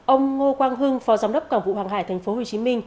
ông ngô quang hưng phó giám đốc cảng vụ hàng hải tp hcm